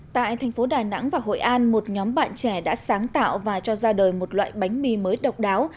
tại thành phố đà nẵng và hội an một nhóm bạn trẻ đã sáng tạo và cho ra đời một loại bánh mì mới độc đáo